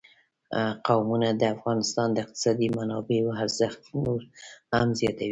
قومونه د افغانستان د اقتصادي منابعو ارزښت نور هم زیاتوي.